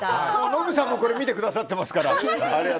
ノブさんもこれ見てくださってますから。